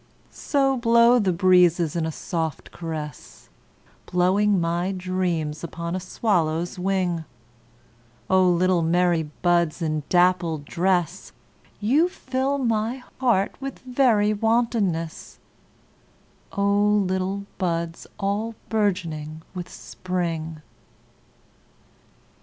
So blow the breezes in a soft caress, Blowing my dreams upon a swallow's wing;O little merry buds in dappled dress, You fill my heart with very wantonness—O little buds all bourgeoning with Spring!